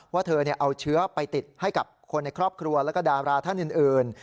ว่าเธอเอาเชื้อไปติดให้กับคนในครอบครัวแล้วก็ดาราท่านอื่น